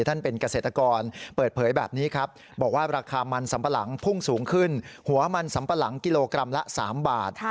ท่านเป็นเกษตรกรเปิดเผยแบบนี้ครับ